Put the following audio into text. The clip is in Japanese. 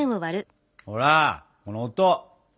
ほらこの音！